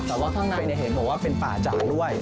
แต่ว่าข้างในเห็นบอกว่าเป็นป่าจากด้วย